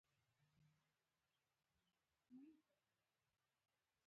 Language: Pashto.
د حاجي عبدالقدیر خان تجارتخانه وه.